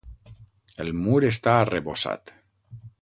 El mur està arrebossat.